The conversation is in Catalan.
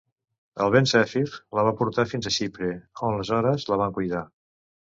El vent Zèfir la va portar fins a Xipre, on les Hores la van cuidar.